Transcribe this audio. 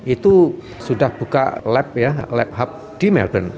itu sudah buka lab ya lab hub di melbourne